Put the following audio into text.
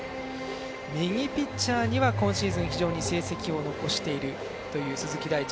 右ピッチャーには今シーズン非常に成績を残している鈴木大地。